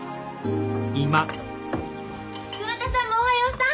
どなたさんもおはようさん！